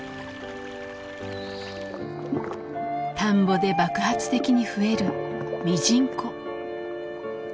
田んぼで爆発的に増えるミジンコ。